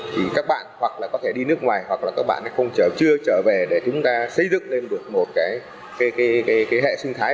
thì các bạn hoặc là có thể đi nước ngoài hoặc là các bạn chưa trở về để chúng ta xây dựng lên một hệ sinh thái